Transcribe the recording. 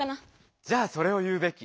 じゃあそれを言うべき！